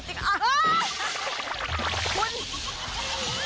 ไหวไหมคะ